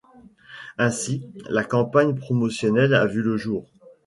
Ainsi, la campagne promotionnelle a vu le jour.